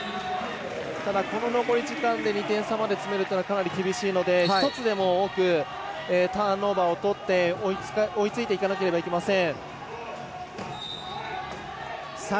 この残り時間で２点差まで詰めるというのはかなり厳しいので１つでも多くターンオーバーをとって追いついていかなければいけません。